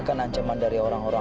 kau masih hidup